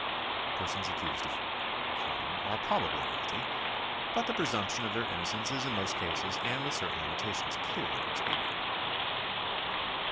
Persons ac cused of crime are probably guilty, but the presumption of tl eir innocence is in most cases and with certain limitations clearly expedient.